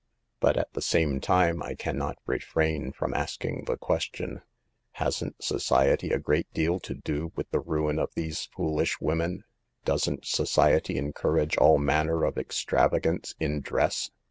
But at the same time I can not refrain from asking the question :" Hasn't society a great deal to do with the ruin of these foolish women ? Doesn't society encourage all manner of extravagance in dress?